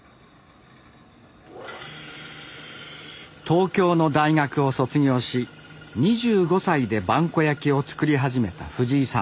東京の大学を卒業し２５歳で萬古焼を作り始めた藤井さん。